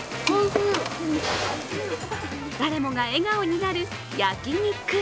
誰もが笑顔になる焼き肉。